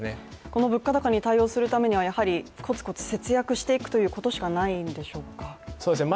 この物価高に対応するためにはコツコツ節約していくということしかないんでしょうか。